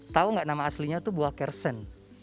tahu nggak nama aslinya itu buah kersen